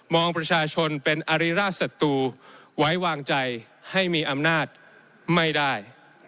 องประชาชนเป็นอริราชศัตรูไว้วางใจให้มีอำนาจไม่ได้